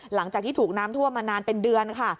หลังจากที่ถูกน้ำท่วมมานานเป็นเดือนค่ะ